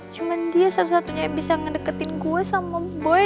cuma dia satu satunya yang bisa ngedeketin gue sama boy